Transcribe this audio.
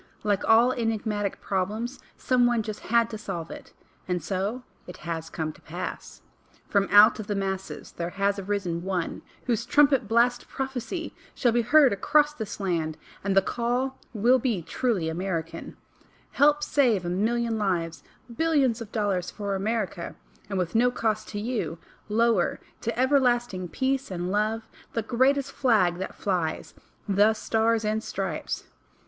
Like all enigmatic problems, some one just had to solve it— and so it has come to pass. From out of the masses there has arisen one whose trumpet blast prophecy shall be heard across this land, and the call will be truly American : "Help save a million lives, billions of dollars for America, and with no cost to YOU, lower to everlasting Peace and Love, the Greatest Flag that flies THE STARS AND STRIPES!"